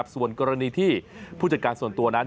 ส่วนกรณีที่ผู้จัดการส่วนตัวนั้น